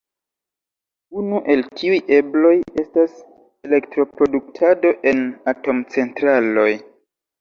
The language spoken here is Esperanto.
Unu el tiuj ebloj estas elektroproduktado en atomcentraloj.